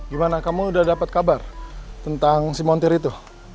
gimana kamu udah dapat kabar tentang si montir itu